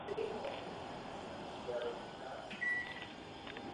Zúčastnilo se ho dvanáct kvalifikovaných týmů z celého světa.